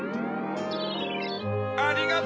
ありがと！